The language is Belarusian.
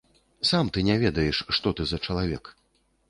Сам ты не ведаеш, што ты за чалавек.